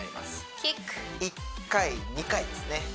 キック１回２回ですね